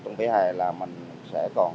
trong vỉa hè là mình sẽ còn